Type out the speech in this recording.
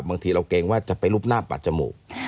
บางทีเราเกรงว่าจะไปรูปหน้าปัดจมูก